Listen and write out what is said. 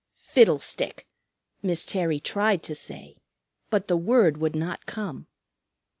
"Fiddlestick!" Miss Terry tried to say. But the word would not come.